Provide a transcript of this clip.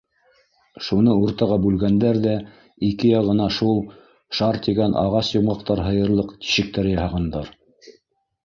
Шуны уртаға бүлгәндәр ҙә ике яғына шул шар тигән ағас йомғаҡтар һыйырлыҡ тишектәр яһағандар.